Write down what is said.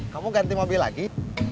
kamu ganti mobil lagi